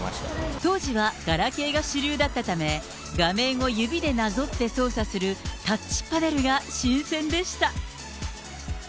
当時はガラケーが主流だったため、画面を指でなぞって操作するタッチパネルが新鮮でした。